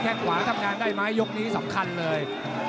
ขวาทำงานได้ไหมยกนี้สำคัญเลย